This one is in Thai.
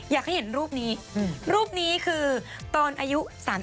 อยากให้เห็นรูปนี้รูปนี้คือตอนอายุ๓๓